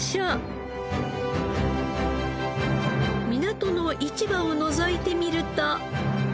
港の市場をのぞいてみると。